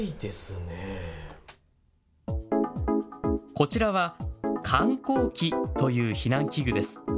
こちらは緩降機という避難器具です。